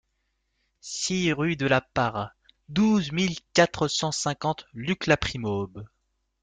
six rue de la Parra, douze mille quatre cent cinquante Luc-la-Primaube